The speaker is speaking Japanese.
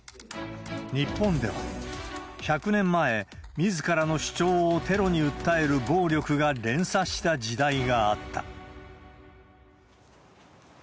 日本では、１００年前、みずからの主張をテロに訴える暴力が連鎖した時代があった。